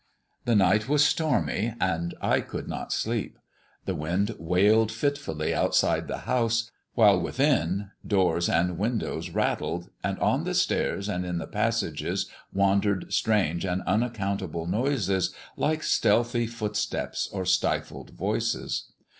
The night was stormy, and I could not sleep. The wind wailed fitfully outside the house, while within doors and windows rattled, and on the stairs and in the passages wandered strange and unaccountable noises, like stealthy footsteps or stifled voices.